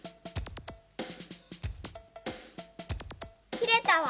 きれたわ。